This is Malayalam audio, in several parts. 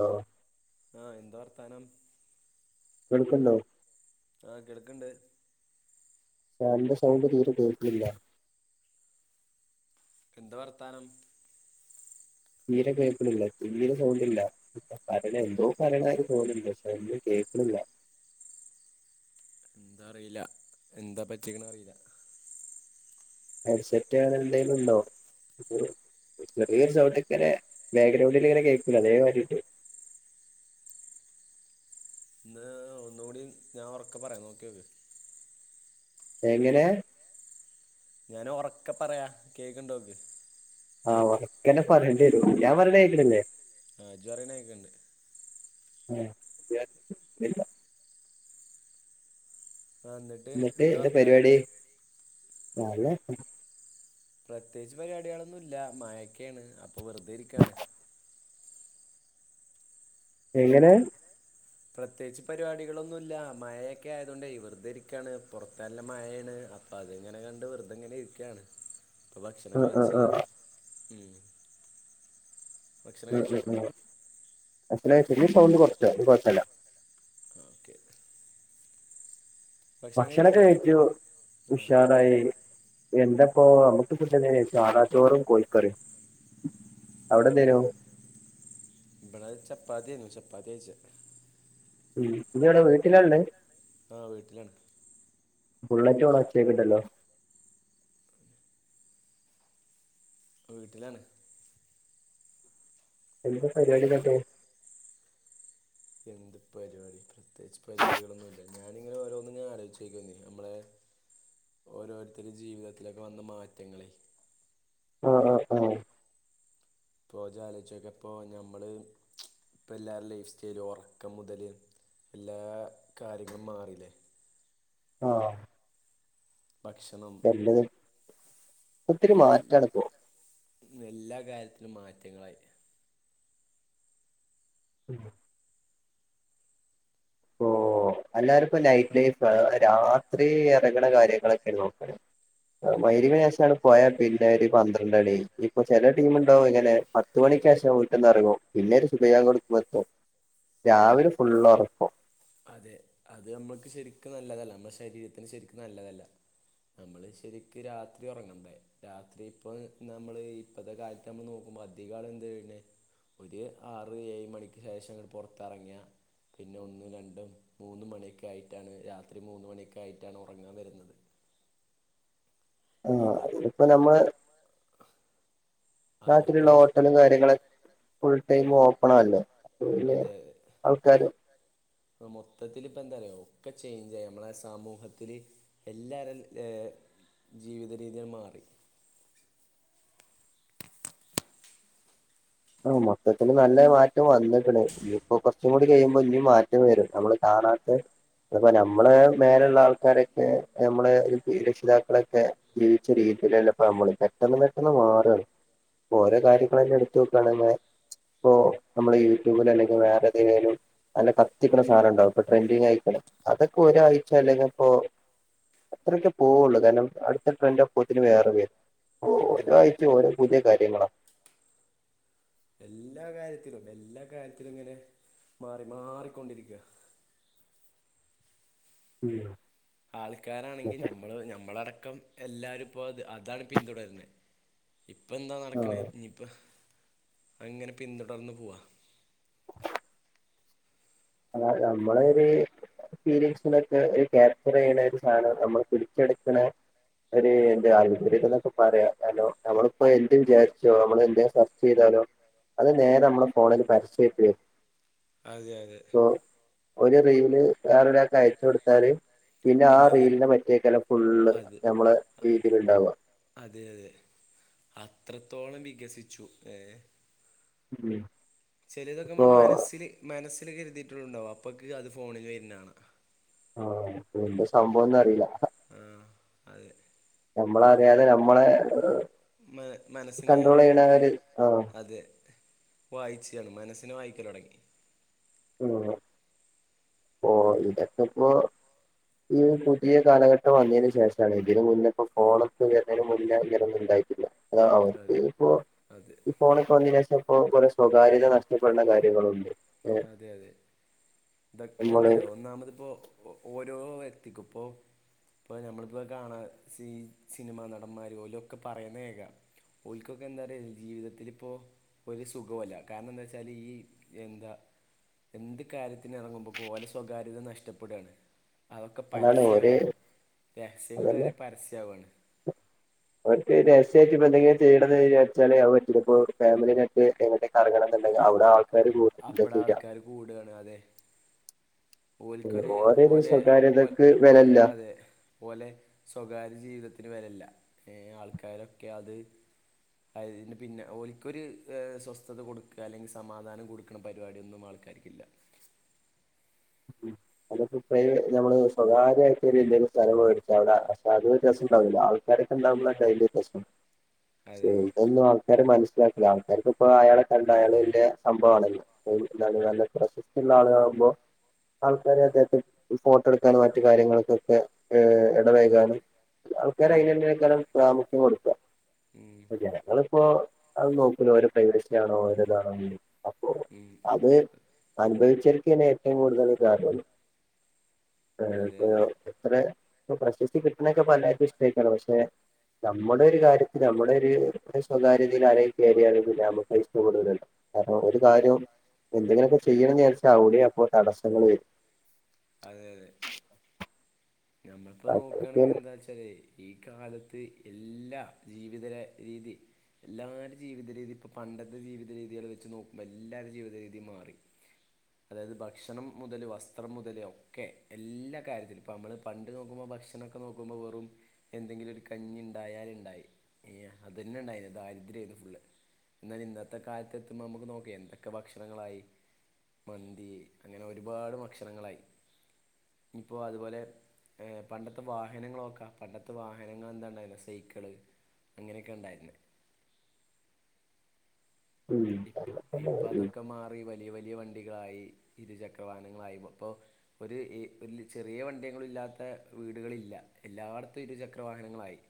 ഓഹ്. ആഹ് എന്താ വർത്താനം? കെൾക്ക് ണ്ടോ? ആഹ് കേൾക്ണ്ട്. ഞാൻ്റെ സൗണ്ട് തീരെ കേൾക് ല്ല. കെന്ത വർത്താനം? തീരെ കേൾപ് ണില്ലേ? തീരെ സൗണ്ട്ല്ല. ഇപ്പ പറിണ എന്തോ പറിണാരി തോന്നുണ്ട് ക്ഷെ ഒന്നും കേക്ണില്ല. ന്താ അറീല എന്താ പറ്റിക്കണ അറീല. ഹെഡ്സെറ്റ്ങ്ങ നെന്തെലും ണ്ടോ? ചെറിയൊരു സൗണ്ട്ങ്ങനെ ബേഗ്രൗണ്ടിൽ ങ്ങനെ കേക്കൂലെ അതേ മാരിണ്ട്. ത്... ഒന്നൂടിം ഞാ ഒർക്കെ പറയ നോക്ക്യോക്ക്. എങ്ങനെ? ഞാനൊറെക്കെ പറയാ കേക്ക് ണ്ടോക്ക്. ആഹ് ഓർക്കനെ പറ്യണ്ട്യരു ഞാ പറിണെ ഏക്ക്ണില്ലേ? ആഹ് ജ് പറിണ കേക്ക്ണ്ട്. [inaudible] ആഹ് ണ്ട്. ന്നിട്ട് ന്താ പരിവാടി. [unintelligible] പ്രത്യേകിച്ച് പരിപാട്യാളൊന്നൂല്ല, മായൊക്കെണ് അപ്പൊ വെറുതെ ഇരിക്കാണ്. എങ്ങനെ? പ്രത്യേകിച്ച് പരിപാടികളൊന്നുല്ല മയയൊക്കെ ആയതൊണ്ടേ വെർ തെരിക്കാണ് പുറത്തല്ല മഴയാണ് അ അതെങ്ങനെ കണ്ട് വെറുതെ എങ്ങനെ ഇരിക്കുകയാണ് ഇപ്പൊ ഭക്ഷണം ആഹ് ആഹ് കഴിച്ച് ആഹ് ഉം ഭക്ഷണം ഉം കഴിച്ചോ ഉം ഉം ഭക്ഷണം കഴിച്ചാ ഇനി സൗണ്ട് കുറച്ചൊ കുഴപ്പല്ല ആ ഓക്കെ ഭക്ഷണം ഭക്ഷണൊക്കെ കഴിച്ചില്ലേ കഴിച്ചു ആ ഉഷാറായി എന്തപ്പോ നമ്മുക്ക് എന്ത സാധാച്ചോറും കോഴിക്കറിയും ഓ അവിടെ എന്തേനോ ഇവിടെ ചപ്പാത്തിയാനു ചപ്പാത്തിയാ കഴിച്ചേ ഉം നീ എവിട വീട്ടിലാള്ളെ ആ വീട്ടിലാണ് ബുള്ളറ്റു അവിടെ വെച്ചക്കണ്ടല്ലോ വീട്ടിലാണ് എന്താ പരിപാടിങ്ട്ട്. എന്ത് പരിപാടി പ്രത്യേകിച്ച് പരിപാടികളൊന്നും ഇില്ല ഞാനിങ്ങനെ ഓരോന്നും ആലോചിച്ചേക്കാ രുന്ന്നമ്മളെ. [unintelligible] ഓരോരുത്തരു ജീവിതത്തിലൊക്കെ വന്ന മാറ്റങ്ങളെ. ആ ആഅ. പചാലിച്ചൊക്കെ ഇപ്പോൾ നഞമ്മള്.. ഇപ്പം എല്ലാവരു ലൈഫ്സ്റ്റൈൽ ഉറക്കം മുതല് എല്ലാ കാര്യങ്ങളും മാറില്ലേ. ആഹ ഭക്ഷണം എത് ഒ ഒത്തിരി മാറ്റമാണ് ഇപ്പോ. എല്ലാ കാര്യത്തിലും മാറ്റങ്ങളായി. ഉം ഓഹ് എല്ലാവുപ്പോ നൈറ്റ് ലൈഫ് രാത്രി ഇറങ്ങുന്ന കാര്യങ്ങളൊക്കെയ നോക്ണ്. അതെ അതെ മഹരിബിന് ശേഷാണ് പോയാൽ പിന്നെ ഒരു പന്ത്രണ്ട്ണി. ഇപ്പൊ ചെില ടീമുണ്ടാവും ഇങ്ങനെ പത്ത് മണിക്കക് ശേഷം. പെന്ന്റങ്ങോ പിന്നീര് സുഖയാൻ കൊടുക്കുമ്പ എത്തും രാവിലെ ഫുള് ഉറക്കു അതെ അത് നമ്മൾക്ക് ശരിക്കും നല്ലതല്ല നമ്മുടെ ശരീരത്തിന് ശരിക്കും നല്ലതല്ല. നമ്മൾ ശരിക്ക് രാത്രി ഉറങ്ങണ്ടേ രാത്രി ഇപ്പൊ നമ്മൾ. ഇപ്പത്തെ കാലത്ത് നമ്മ നോക്കുമ്പോ അതികാളും എന്താ ചെയ്യുന്നേ ഒരു ആറ് ഏഴ് മണിക്ക് ശേഷം ഇങ്ങ് പുറത്തിറങ്ങിയ പിന്നെ ഒന്ന് രണ്ട്. ഇടം മൂന്ന് മണിയൊക്ക ആയിട്ടാണ് രാത്രി മൂന്ന് മണിയൊക്കെ ആയിട്ടാണ് ഉറങ്ങാൻ വരുന്നത്. ആ ഇതൊക്കെ ഇത്പ്പൊ അ- നമ്മൾ. അതൊക്കെ നാട്ടിലുള്ള ഹോട്ടലും കാര്യങ്ങളളും ഫുൾ ആ ടൈം ഓപ്പണല്ലേഅത് പിന്നെ. ആൾക്കാര്. മൊത്തത്തിൽ ഇപ്പ എന്താ അറിയോ ഒക്കെ ചേയ്ഞ്ചായി നമ്മളെ സമൂഹത്തില്. എല്ലാരും ഏ ജീവിത രീതിയങ്ങ് മാറി. ആ മൊത്തത്തിൽ നല്ല മാറ്റം വന്നു കുണ് ഇനിയിപ്പോ കൊറച്ചും കൂടി കഴിയുമ്പോ ഇനി മാറ്റം വരും നമ്മള്.. ആണട്ട അപ്പൊ നമ്മള് മേലുള്ള ആൾക്കാരൊക്കെ നമ്മള് ഒരു രക്ഷിതാക്കളൊക്കെ. ജീവിച്ച രീതിയിലല്ല ഇപ്പ നമ്മള് പെട്ടെന്ന് പെട്ടെന്ന് മാറാണ് ഓരോ കാര്യങ്ങളെന്നെണ്. ഇപ്പ തന്നെ നമ്മള് യൂട്യൂബിൽ അല്ലെങ്കിൽ വേറെ ഏതെങ്കിലും. നല്ല കത്തിക്കണ സാധനം ഉണ്ടാവും ഇപ്പൊ ട്രെൻഡിങ്ങ് ആയിക്കണം അതൊക്കെ ഒരാഴ്ച അല്ലെങ്കിൽ ഇപ്പോ.. അത്രയൊക്കെ പോവുള്ളൂ കാരണം അടുത്ത ട്രെൻഡ് അപ്പോത്തിന് വേറെ വരും. ഓ അതെ അതെ ഒരാഴ്ച ഓരോ പുതിയ കാര്യങ്ങളാണ്. എല്ലാ കാര്യത്തിലും എല്ലാ കാര്യത്തിലും ഇങ്ങനെ മാറി മാറിക്കൊണ്ടിരിക്കുകയാണ്. [unintelligible] ആൾക്കാരാണെങ്കി നമ്മള് ഞമ്മളടക്കം എല്ലാരും ഇപ്പോ അത് അതാണ് പിന്തുടരുന്നത്. ഇപ്പ എന്താ നടക്കണ ആഹ് ഇനിയിപ്പ അങ്ങനെ പിന്തുടർന്ന് പോവാ. അ നമ്മളരു. സിനൊക്കെ ഒരു ക്യാപ്ചർ ചെയ്യണ ഒരു സാധനം നമ്മള് പിച്ചെടുക്കണ.. ഒരു എന്ത ആര്യ എന്നൊക്കെ പറയാ നമ്മളിപ്പോ എന്ത് വിചാരിച്ചോ നമ്മൾ എന്ത സെർച്ച് ചെയ്താലോ. അത് നേരെ നമ്മള് ഫോണിൽ പരസ്യമായിട്ട് വരും അതെ അതെ. ഇപ്പൊ ഒരു റീവില് വറെരാ അയച്ച കൊടുത്താല്. പിന്നെ ആ റീലിനെ മറ്റേക്കല്ലാം ഫുള്ള് അത് നമ്മള് രീതിൽ ഉണ്ടാവുക. അതെ അതെ അത്രത്തോളം വികസിച്ചു ഏ. ഉം ചെലതൊക്കെ ഇപ്പൊ നമ്മൾ മനസ്സില്. മനസ്സിൽ കരുതിയിട്ടുണ്ടാവും അപ്പൊക്ക് അത് ഫോണിൽ വരുന്നതാണ്. ആഹ എന്തസംഭവംന്നുമറിയില്ല ആ അതെ നമ്മള അറിയാല നമ്മളെ മ മനസ്സിനെ കണ്ട്രോൾ ചെയ്യണ ഒരു ആഹ് അതെ വായിച്ചയാണ് മനസ്സിനെവായിക്കൽ തുടങ്ങി [unintelligible] ഓ ഇതൊക്ക എപ്പോ ഈ പുതിയ കാലഘട്ടം വന്നതിനു ശേഷമാണ് ഇതിന് മുന്ന ഇപ്പോ ഫോണൊക്കെ വരുന്നതിന് മുന്നേ ഇങ്ങനയൊനുല്ല്യ ആയിട്ട് ഇല്ല അതെ അവർക്ക് ഇപ്പോ അതെ ഈ ഫോണ ഫോൺ വന്നെന്നു ശേഷം ഇപ്പൊ സ്വകാര്യത നഷ്ടപ്പെടുന്ന കാര്യങ്ങളുണ്ട് അതെ അതെ നമ്മള് അതെന്താന്നറിയോ ഒന്നാമത് ഇപ്പോ ഓരോ വ്യക്തിക്കും ഇപ്പോ ഇപ്പ നമ്മളിപ്പോ കാണാ സീ സിനിമാ നടന്മാര് പോലും ഒക്കെ പറയുന്ന കേൾക്കാ ഒൽക്കൊക്കെ എന്തറിയോ ജീവിതത്തിൽ ഇപ്പോ ഒരു സുഖവല്ല കാരണം എന്താവെച്ചാൽ ഈ എന്താ എന്ത് കാര്യത്തിന് ഇറങ്ങുമ്പോക്കെ ഓലെ സ്വകാര്യത നഷ്ടപ്പെട്‌ ആണ് അതൊക്കെ അതാണ് ഒര് പരസ്യാവാണ് രഹസ്യങ്ങൾ വരെ പരസ്യാവാണ് ഓൽക്ക് രഹസ്യം ആയിട്ട് ഇപ്പം എന്തെങ്കിലും ചെയ്യണം വിചാരിച്ചാൽ അതു പറ്റോ ഫാമിലിയായിട്ട് എങ്ങട്ടെ അവിടെ ങ്ങാനോകട്ടെങ്കിൽ അവിടെ ആളു അപ്പൾ ആൾക്കാര് കൂടാണ് അതെ ഓൽക്കൊരു ഓരോ ഓലെ ഓൽ സ്വകാര്യതക്ക് വിലയില്ല അതെ ഓലെ സ്വകാര്യ ജീവിതത്തിൽ വരേല്ല ഏ ആൾക്കാരൊക്കെ അത് അതിന് പിന്നെ ഒലിക്കൊരു സ്വസ്ഥത കൊട്ക്കഅല്ലെങ്കി സമാധാനം കൊടുക്കണ പരിപാടിയ ഒന്നും ആൾക്ക് അവരിക്കില്ല ഉം അതൊക്ക ഇപ്പംഈ ഒര് നമ്മള് സ്വകാര്യയിട്ട് ഒരു എന്തേലും സ്ഥലംമേടിച്ച അവിടെ പക്ഷെ ഒരു രസംണ്ടാവില്ല ആൾ അതൊക്കെണ്ടാവുമ്പോളാ ഡെയിലി പ്രശ്നം അതെ ചെയ്തൊന്നും ആൾക്കാര് മനസ്സിലാക്കില്ല ആൾക്കാർക്ക് ഇപ്പോ അയാളെ കണ്ട അയാള് വലിയ സംഭവണല്ലോ ന്താണ് നല്ല പ്രസക്തി ഉള്ള ആളുകളാകുമ്പോ ആൾക്കാരെ അദ്ദേഹത്തെ ഫോട്ടോ എടുക്കാനും മറ്റു കാര്യങ്ങൾക്കൊക്കെ ഇടപഴുക്കാനും ആൾക്കാർ ഉം ആയിനെന്നേക്കാരം പ്രാമുഖ്യം കൊടുക്ക മ് ജനങ്ങളിപ്പോ അത് നോക്കൂല ഓരോ പ്രൈവസി ആണ് ഓരോ ഇതാണ് പറയും ഉം അപ്പോഅത് അനുഭവിച്ചിരിക്കാണ് ഏറ്റവും കൂടുതല് ഇതറിയുള്ളു അതെ അതെ [unintelligible] അതെ പ്പോ പ്രസക്തി കിട്ടണക്കെ എല്ലാർക്കും ഇഷ്ട്ടായിക്കുണ് പക്ഷെ നമ്മുടെ ഒരു കാര്യത്തില് നമ്മുടെ ഒരു സ്വകരയതയില് ആരെങ്കിലും കയറിയാല് പിന്നെ നമുക്ക് നമ്മുക്ക്‌ അതിഷ്ടപ്പെടൂല്ലല്ലോ അപ്പൊ ഒരു കാര്യം എന്തെങ്കിലുമൊക്കെ ചെയ്യണം എന്നുവെച്ചാൽ അവിടെ അപ്പോ തടസങ്ങൾ വരും അതെ അതെ നമ്മളിപ്പോ നോക്കണെങ്കി അതൊക്കെയാണ് എന്താ ച്ചാലേ ഈ കാലത്ത് എല്ലാ ജീവിത രീതി എല്ലാര ജീവിത രീതി ഇപ്പൊ പണ്ടത്തെ ജീവിത രീതികൾ വെച്ച് നോക്കുമ്പോ എല്ലാര ജീവിത രീതി മാറി അതായത് ഭക്ഷണം മുതല് വസ്ത്രം മുതല് ഒക്കെ എല്ലാ കാര്യത്തിലും ഇപ്പോ നമ്മള് പ നോക്കുമ്പോ ഭക്ഷണ ഒക്കെ നോക്കുമ്പോ വെറും എന്തെങ്കിലും ഒരു കഞ്ഞി ഉണ്ടായാലുണ്ടായി ഏഹ് അതെന്നെ ഉണ്ടായിന് ദാരിദ്രയേന് ഫുള് എന്നാൽ ഇന്നത്തെ കാലത്ത് എത്തുമ്പോ നമുക്ക് നോക്ക് എന്തൊക്കെ ഭക്ഷണങ്ങളായി മന്തി അങ്ങനെ ഒരുപാട് ഭക്ഷണങ്ങളായിനിപ്പോ അതുപോലെ പണ്ടത്തെ വാഹനങ്ങളൊക്കാ പണ്ടത്തെ വാഹനങ്ങൾ എന്താണ്ടായിരുന്ന സെക്കള് അങ്ങനെയൊക്കെ ണ്ടായിരുന്ന ഉം അങ്ങനെ തന്നെ ഇപ്പ ഉം അതൊക്കെ മാറി വലിയ വലിയ വണ്ടികളായി ഇരുചക്രവാഹങ്ങളായി അപ്പോ ഒരുഈ ഒരു ചെറിയ വണ്ടിയില്ലാത്ത വീടുകളില്ല എല്ലായിടത്തും ഇരു ചക്രവാഹനങ്ങളായി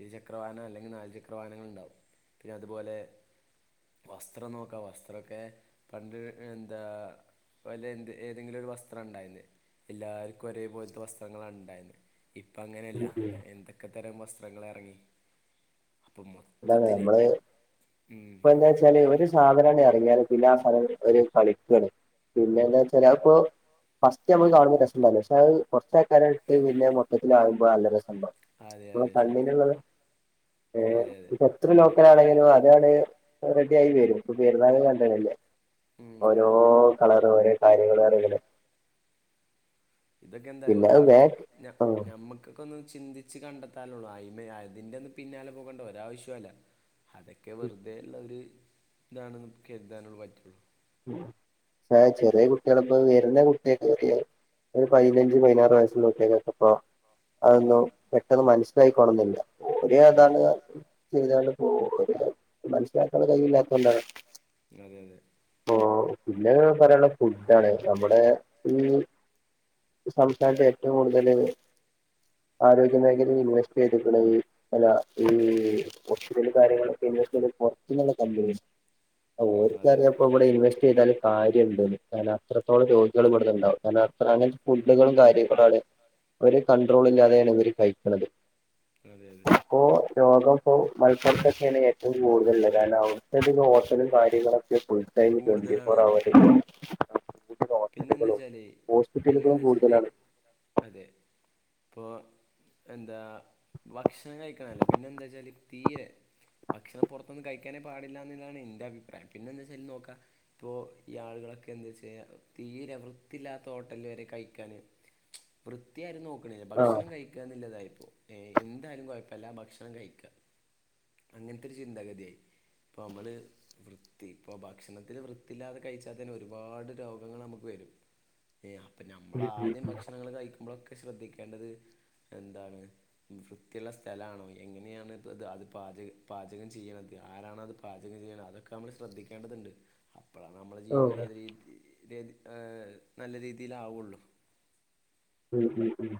ഇരു ചക്രവാഹനം അല്ലെങ്കിൽ നാല് ചക്രവാഹനങ്ങൾണ്ടാവും പിന്നെ അതുപോലെ വസ്ത്രം നോക്കാം വസ്ത്രമൊക്കെ പണ്ട് എന്താ അപ്പോ അല്ല എന്ത് ഏതെങ്കിലും ഒരു വസ്ത്രം ഉണ്ടായിരുന്നു എല്ലാവർക്കും ഒരേപോലത്തെ വസ്ത്രങ്ങളാണ് ഉണ്ടായിരുന്നത് ഇപ്പ ഉം അങ്ങനെയല്ല ഉം എന്തൊക്കെ തരം വസ്ത്രങ്ങൾ ഇറങ്ങി അപ്പം മം അതാണ് നമ്മള് ഇപ്പ എന്താ ഒരു സാധനണ ഇറങ്ങിയാറ് പിന്ന ആ സാധനം കളിക്കാണ് പിന്നെന്താ വച്ചാല് അപ്പൊ ഫസ്റ്റ് നമ്മള് കാണുമ്പോ രസംഇണ്ടാവില്ല പക്ഷെ അത് കുറച്ച ആൾക്കാരായിട്ട് പിന്നെ മൊത്തത്തി ആകുമ്പോൾ നല്ല രസംണ്ടാവും അതെ നമ്മടെ അതെ സത്യം കണ്ണീനുള്ളത് ഏ അതെ അതെ ഇപ്പ എത്ര ഉം. ലോക്കലാണെങ്കിലും അതാണ് റെഡി ആയി വരും ഇപ്പൊ പേരുന്നാളിനും കണ്ടതല്ലേ ഉം, ഓരോ അതെ കളർ ഓരോ കാര്യങ്ങള ആണങ്ങനെ ഇതൊക്കെ എന്തായും പിന്നെ അത് വേ ആൾക്ക് ഞമ്മുക്ക് ഒന്ന് ചിന്തിച്ച് കണ്ടെത്താലുള്ളൂ അയിമ അതിന്റെ ഒന്നും പിന്നാല പോകേണ്ട ഒരാവശ്യമില്ല അതൊക്കെ വെറുതെ ഉള്ള ഒരു ഇതാണ് നമുക്ക് കരുതാനുള്ള പറ്റുള്ളൂ ആഹ് ചെറിയ കുട്ടികൾ ഇപ്പ വരുന്ന കുട്ടിയൊക്കെ ചെറിയ ഒരു പതിനഞ്ച് പതിനാറ് വയസ്സുള്ള കുട്ടികൾക്കൊക്കെ ഇപ്പൊ ഉം, അതൊന്നും പെട്ടെന്ന് മനസ്സിലായിക്കോള്ളണമെന്നില്ല പൊതുവെ ഉം. അതാണ് [unintelligible] മനസ്സിലാക്കാനുള്ള കഴിവില്ലാത്ത കൊണ്ടാണ് അതെ അതെ ഓ പിന്നെ പറയാനുള്ള ഫുഡാണ് നമ്മുടെ ഈ സംസ്ഥാനത്തെ ഏറ്റവും കൂടുതല് ആരോഗ്യമേഖലയിൽ ഇൻവെസ്റ്റ് ചെയ്തിരിക്കണത് അല്ല ഈ ഓക്സിജനും കാര്യങ്ങളൊക്കെ ഇൻവെസ്റ്റ്‌ ചെയ്യുന്നത് പുറത്തുന്നുള്ള കമ്പനിയാ ഉം, അതെ ഒരുക്കറിയപ്പോ ഇവിടെ ഇൻവെസ്റ്റ് ചെയ്താലും കാര്യംണ്ടന്ന് കാരണം അത്രത്തോളം രോഗികളും ഇവിടുന്നണ്ടാവും കാരണം അങ്ങനത്തെ ഫുഡുകളും കാര്യങ്ങളാണ് ഒരു കൺണ്ട്രോൾ ഇല്ലാതെയാണ് ഇവര് കഴിക്കുന്നത് അതെ അതെ ഇപ്പോ രോഗം ഇപ്പോ മലപ്പൊറത്തൊക്കെയാണ് ഏറ്റവും കൂടുതലത് കാരണം അവിടുത്തെ ഹോട്ടലും കാര്യങ്ങളൊക്കെ ഒക്ക ഉണ്ട് കഴിഞ്ഞ ട്വന്റിി ഫോർ കൂടുതലാണ് അവർ കൂടുതൽ പിന്നെന്താ ഹോട്ടലുകളും വെച്ചാല് ഹോസ്പിറ്റലുകളും പിന്നെന്താ വെച്ചാല് കൂടുതലാണ് അതെ ഇപ്പോൾ എന്താ ഭക്ഷണം കഴിക്കണംല്ല പിന്നെ എന്താ വെച്ചാല് തീരെ ഭക്ഷണം പുറത്തൊന്നും കഴിക്കാനേ പാടില്ല എന്നതാണ് എന്റെ അഭിപ്രായം പിന്നെ എന്താ വെച്ചാൽ നോക്കാം ഇപ്പൊ ഈ ആളുകളൊക്കെ എന്താ വെച്ച തീരെ വൃത്തിയില്ലാത്ത ഹോട്ടല് വരെ കഴിക്കാണ് വൃത്തിയാരും നോക്കണില്ല ആ ഭക്ഷണം കഴിക്കാന്നുള്ളതായിപ്പോ ഏ എന്തായാലും കുഴപ്പില്ല ഭക്ഷണം കഴിക്ക അങ്ങനത്തെ ഒരു ചിന്താഗതിയായി ഇപ്പോൾ നമ്മള് വൃത്തി ഇപ്പോൾ ഭക്ഷണത്തിൽ വൃത്തിയില്ലാതെ കഴിച്ചാൽ തന്നെ ഒരുപാട് രോഗ ങ്ങൾ നമുക്ക് വരും അപ്പൊ നമ്മൾ ആദ്യം ഭക്ഷണങ്ങൾ കഴിക്കുമ്പോഴൊക്കെ ശ്രദ്ധിക്കേണ്ടത് എന്താണ് വൃത്തിയുള്ള സ്ഥലാണോ എങ്ങനെയാാണ് അത് പാചകം പാചകം ചെയ്യണത് ആരാണോ അത് പാചകം ചെയ്യൽ അതൊക്കെ നമ്മള് ശ്രദ്ധിക്കേണ്ടതുണ്ട് അപ്പോഴാണ് നമ്മളുടെ ഓ ജീവിതം അത് നല്ല രീതിയിലാവയുള്ളൂ ഉം ഉം ഉ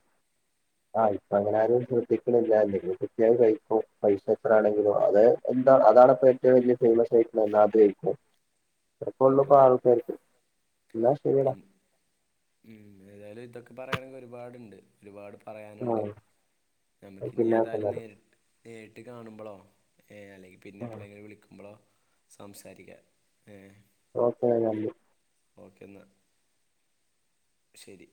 ആഹ് ഇപ്പൊ അങ്ങനെ ആരും ശ്രദ്ധിക്കണില്ല എന്തെങ്കിലും കിട്ടിയാൽ അത് കഴിക്കും പൈസ എത്ര ആണെങ്കിലും ആണെങ്കിലും അത് എന്താ അതാണ്പ്പ ഏറ്റവും വലിയ ഫേമസ് ആയിട്ടുള്ള എന്ന ആഗ്രഹിക്കും ഉം, അതൃകൊള്ളു അതെ ആൾക്കാർക്ക് എന്നാ ശരിയടാ ഉം ഏതായാലും ഇതൊക്കെ പറയാണെങ്കിൽ ഒരുപാടുണ്ട് ഒരുപാട് പറയാനുണ്ട് ആ നമുക്ക ഇനി പിന്നെ വിളിക്കാം ഏതായാലും നേരിട്ട് നേരിട്ട് കാണുമ്പോഴോ ഏ അല്ലെങ്കിൽ പിന്നെ എ എന്നാല് പോയെങ്കിൽ വിളിക്കുമ്പോളോ സാംസാരിക്കാ ഏ ഓക്കെ ഓക്ക എന്നാൽ ശരി